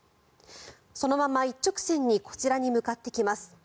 そのまま一直線にこちらに向かってきます。